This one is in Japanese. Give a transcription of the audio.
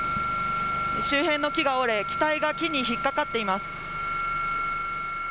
周辺の木が折れ機体が木に引っ掛かっています。